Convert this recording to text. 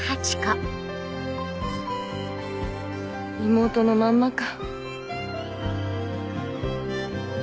妹のまんまか。